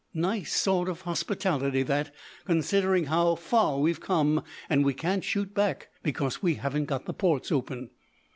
Nice sort of hospitality that, considering how far we've come, and we can't shoot back, because we haven't got the ports open."